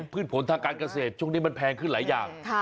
ผลทางการเกษตรช่วงนี้มันแพงขึ้นหลายอย่าง